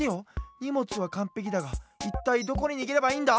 にもつはかんぺきだがいったいどこににげればいいんだ？